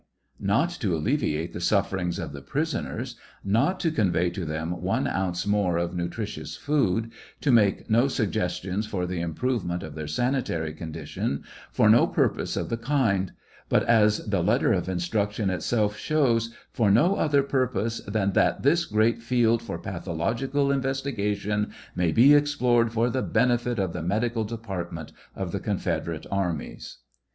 Not to alleviate the sufferings of the prisoners ; not to convey to them one ounce more of nutritious food ; to make no suggestions for the improvement of their sanitary condition ; for no pucpose of the kind ; but, as the letter of instructions itself shows, for no other purpose than " that this great field for , pathologicd investigation may be explored for the benefit of the medical department oi the confederate armies."